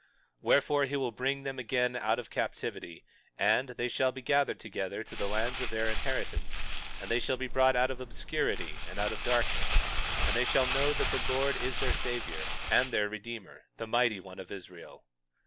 22:12 Wherefore, he will bring them again out of captivity, and they shall be gathered together to the lands of their inheritance; and they shall be brought out of obscurity and out of darkness; and they shall know that the Lord is their Savior and their Redeemer, the Mighty One of Israel.